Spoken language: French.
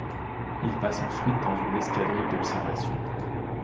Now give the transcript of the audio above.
Il passe ensuite dans une escadrille d'observation.